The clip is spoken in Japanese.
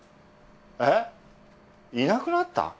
えっいなくなった？